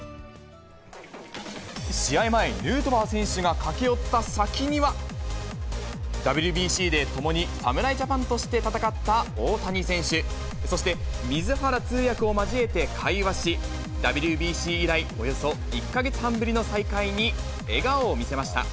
試合前、ヌートバー選手が駆け寄った先には、ＷＢＣで共に侍ジャパンとして戦った大谷選手、そして水原通訳を交えて会話し、ＷＢＣ以来、およそ１か月半ぶりの再会に笑顔を見せました。